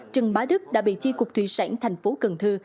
trần bá đức đã bị chi cục thủy sản thành phố cần thơ